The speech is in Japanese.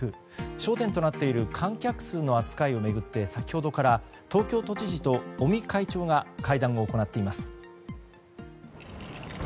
焦点となっている観客数の扱いを巡って先ほどから東京都知事と尾身会長が会談を行っています。